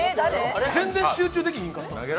全然集中できへんかった。